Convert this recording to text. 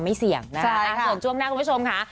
ไม่เล่นค่ะ